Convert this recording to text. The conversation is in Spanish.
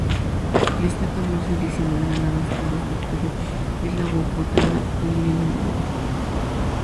La ciclista con más ediciones ganadas con dos victorias es la bogotana Liliana Moreno.